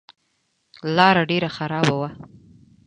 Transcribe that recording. لاره ډېره خرابه وه.